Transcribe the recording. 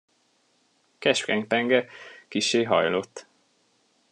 Keskeny penge, kissé hajlott.